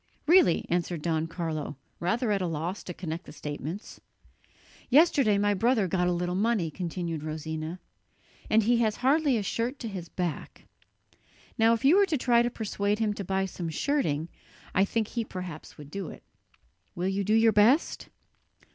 "Really?" answered Don Carlo, rather at a loss to connect the statements. "Yesterday my brother got a little money," continued Rosina, "and he has hardly a shirt to his back. Now if you were to try to persuade him to buy some shirting, I think he perhaps would do it. Will you do your best?"